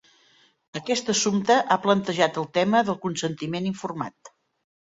Aquest assumpte ha plantejat el tema del consentiment informat.